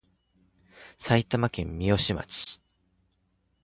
埼玉県三芳町